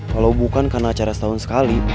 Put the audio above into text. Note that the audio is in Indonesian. kalau bukan karena acara setahun sekali